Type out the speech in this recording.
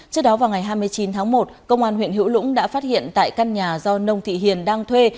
trước đó vào ngày hai mươi chín tháng một công an huyện hữu lũng đã phát hiện tại căn nhà do nông thị hiền đang thuê